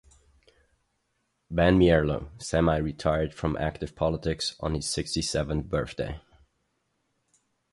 Van Mierlo semi-retired from active politics on his sixty-seventh birthday.